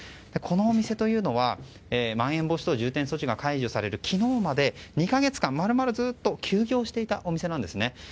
このお店というのはまん延防止等重点措置が解除される昨日まで２か月間まるまるずっと休業していたお店なんですね。